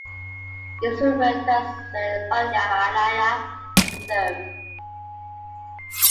It is also referred to as Baudhayana theorem.